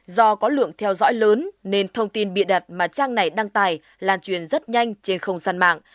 do có lượng theo dõi lớn nên thông tin bị đặt mà trang này đăng tài lan truyền rất nhanh trên không săn mạng